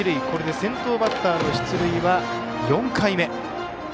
これで先頭バッターの出塁は４回目。